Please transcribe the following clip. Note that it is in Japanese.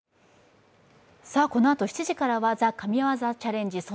さあ、このあと７８時からは「神業チャレンジ」。